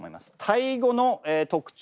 タイ語の特徴